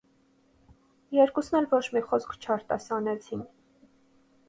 Երկուսն էլ ոչ մի խոսք չարտասանեցին: